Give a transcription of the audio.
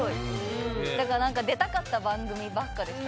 出たかった番組ばっかでした。